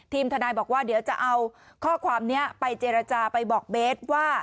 ทนายบอกว่าเดี๋ยวจะเอาข้อความนี้ไปเจรจาไปบอกเบสว่า